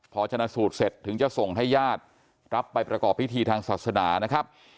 พอชนะสูตรเสร็จถึงจะส่งให้ญาติรับไปประกอบพิธีทางศาสนานะครับ